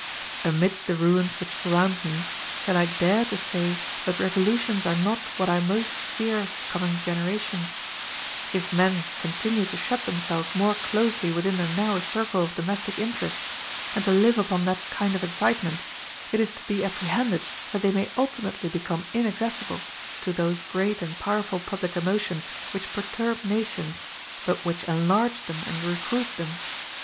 Amidst the ruins which surround me, shall I dare to say that revolutions are not what I most fear coming generations? If men continue to shut themselves more closely within the narrow circle of domestic interests and to live upon that kind of excitement, it is to be apprehended that they may ultimately become inaccessible to those great and powerful public emotions which perturb nations but which enlarge them and recruit them.